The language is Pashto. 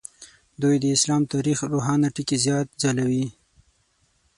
دوی د اسلام تاریخ روښانه ټکي زیات ځلوي.